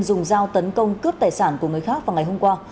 dùng dao tấn công cướp tài sản của người khác vào ngày hôm qua